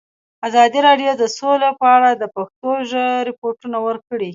ازادي راډیو د سوله په اړه د پېښو رپوټونه ورکړي.